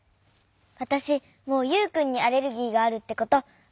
わたしもうユウくんにアレルギーがあるってことわすれない！